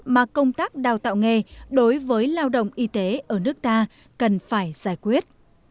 mà công tác đào tạo nghề đối với lao động y tế ở nước ta cần phải giải quyết